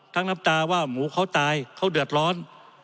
น้ำตาว่าหมูเขาตายเขาเดือดร้อน